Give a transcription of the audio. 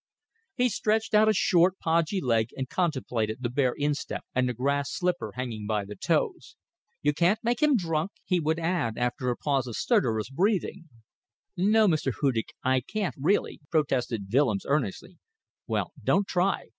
He stretched out a short, podgy leg and contemplated the bare instep and the grass slipper hanging by the toes. "You can't make him drunk?" he would add, after a pause of stertorous breathing. "No, Mr. Hudig, I can't really," protested Willems, earnestly. "Well, don't try.